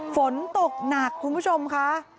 ฝนตกหนักคุณผู้ชมค่ะ